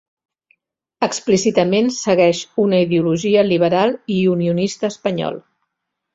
Explícitament segueix una ideologia liberal i unionista espanyol.